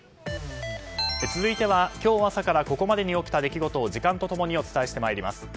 続いては今日朝からここまでに起きた出来事を時間と共にお伝えしてまいります。